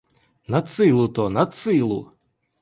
Над силу то, над силу!